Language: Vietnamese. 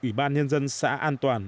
ủy ban nhân dân xã an toàn